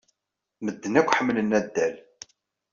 Medden akk ḥemmlen addal.